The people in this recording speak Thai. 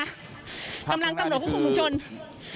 นี่คือเจ้าหน้าที่กำลังจะเข้าไปใช่ไหมครับ